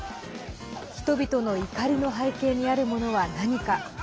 人々の怒りの背景にあるものは何か。